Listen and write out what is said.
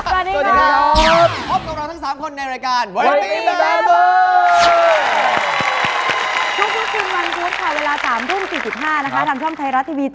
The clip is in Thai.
พุทธสามหลักดันสตรงกลิ่นวิว